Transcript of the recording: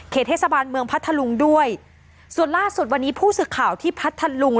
เทศบาลเมืองพัทธลุงด้วยส่วนล่าสุดวันนี้ผู้สื่อข่าวที่พัทธลุง